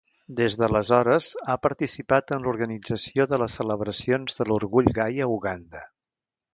Des d'aleshores ha participat en l'organització de les celebracions de l'orgull gai a Uganda.